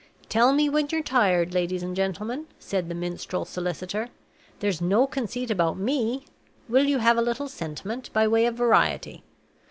"Tell me when you're tired, ladies and gentlemen," said the minstrel solicitor. "There's no conceit about me. Will you have a little sentiment by way of variety?